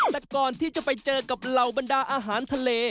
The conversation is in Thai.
แต่ก่อนที่จะไปเจอกับเหล่าบรรดาอาหารทะเล